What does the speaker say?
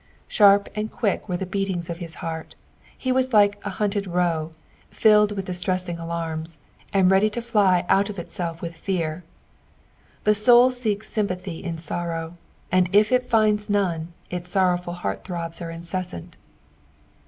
Bhup and quick were the beatinga of his heart ; ha was like a banted roe, filled with distresaini^ alarms, and ready to fly out of itself with fe&r. The soul seeks sympathy in sorrow, and if it flnds none, its sorrowful heart throbs are incessant.